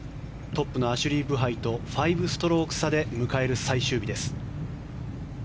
トップのアシュリー・ブハイと５ストローク差で迎える最終日です。